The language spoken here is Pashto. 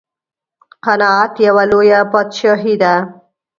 قناعت یوه لویه بادشاهي ده.